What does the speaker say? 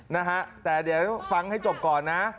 นะฮะแต่เดี๋ยวฟังให้จบก่อนนะ